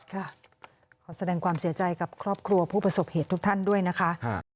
ขอแสดงความเสียใจกับครอบครัวผู้ประสบเหตุทุกท่านด้วยนะคะ